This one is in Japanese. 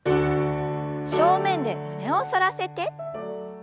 正面で胸を反らせて。